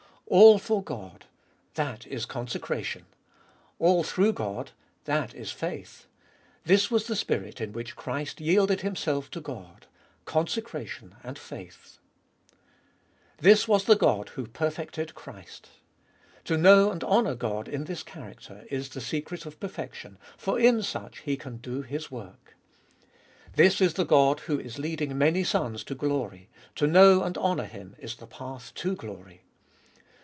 2. All for God: that is consecration. All through God: that is faith. This was the spirit in which Christ yielded Himself to God : consecration and faith. 3. This was the God who perfected Christ. To know and honour God in this character is the secret of perfection, for in such He can do His work. This is the God who is leading many sons to glory ; to knout and honour Him is the path to glory.